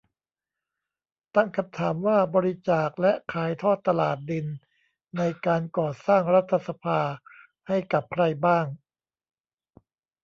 ตั้งคำถามว่าบริจาค และ ขายทอดตลาด ดินในการก่อสร้างรัฐสภา ให้กับใครบ้าง